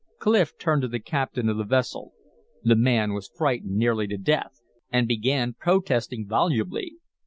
Clif turned to the captain of the vessel; the man was frightened nearly to death, and began protesting volubly.